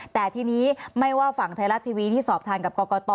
แต่ทีนี้ไม่ว่าฝั่งไทยรัฐทีวีที่สอบทานกับกรกต